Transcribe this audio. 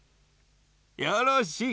よろしい。